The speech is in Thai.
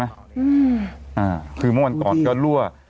อ่าคือเมื่อวันก่อนก็รั่ว